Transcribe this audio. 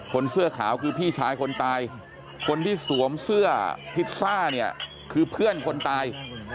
เสื้อขาวคือพี่ชายคนตายคนที่สวมเสื้อพิซซ่าเนี่ยคือเพื่อนคนตาย